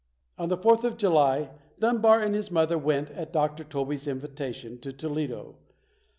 On the Fourth of July, Dunbar and his mother went, at Dr. Tobey's invitation, to Toledo.